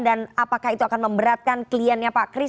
apakah itu akan memberatkan kliennya pak kris